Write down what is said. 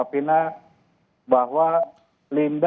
bahwa linda sendiri tidak berhasil menghadapi kejadian